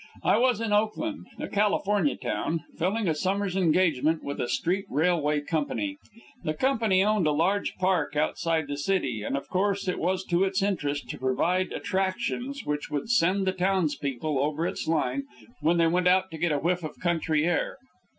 I was in Oakland, a California town, filling a summer's engagement with a street railway company. The company owned a large park outside the city, and of course it was to its interest to provide attractions which would send the townspeople over its line when they went out to get a whiff of country air.